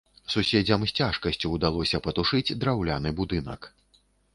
Суседзям з цяжкасцю ўдалося патушыць драўляны будынак.